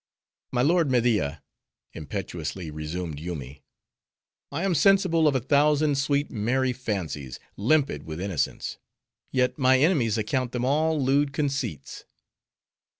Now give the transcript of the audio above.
"My lord Media," impetuously resumed Yoomy, "I am sensible of a thousand sweet, merry fancies, limpid with innocence; yet my enemies account them all lewd conceits."